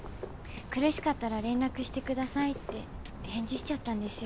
苦しかったら連絡してくださいって返事しちゃったんですよ。